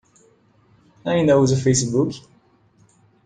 Ainda usa Facebook?